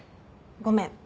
ごめん。